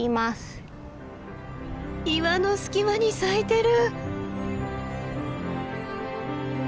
岩の隙間に咲いてる！